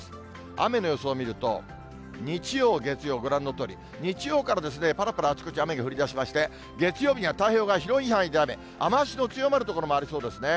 雨の予想を見ると、日曜、月曜、ご覧のとおり、日曜からぱらぱら、あちこち雨が降りだしまして、月曜日には太平洋側広い範囲で雨、雨足の強まる所もありそうですね。